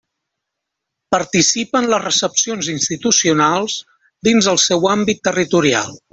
Participa en les recepcions institucionals dins el seu àmbit territorial.